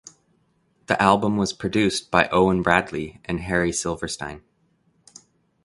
The album was produced by Owen Bradley and Harry Silverstein.